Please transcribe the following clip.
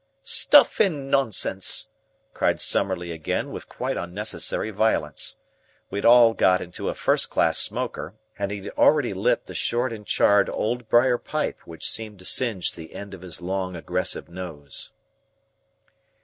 "Stuff and nonsense!" cried Summerlee again with quite unnecessary violence. We had all got into a first class smoker, and he had already lit the short and charred old briar pipe which seemed to singe the end of his long, aggressive nose.